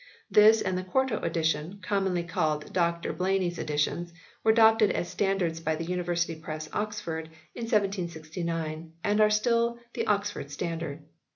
This and the quarto edition, commonly called Dr Blayney s editions, were adopted as standards by the University Press, Oxford, in 1769, and are still the Oxford Standard.